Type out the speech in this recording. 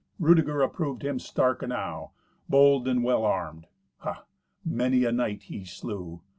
Rudeger approved him stark enow, bold and well armed. Ha! many a knight he slew!